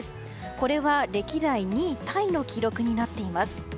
これは歴代２位タイの記録になっています。